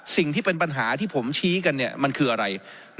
สิ่งที่เป็นปัญหาที่ผมชี้กันมันคืออะไร